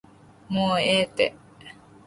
もうええて